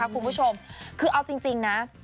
คุณผู้ชมคือเอาจริงนะ